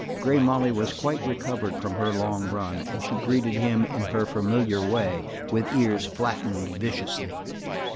Grey Molly was quite recovered from her long run, and she greeted him in her familiar way, with ears flattened viciously.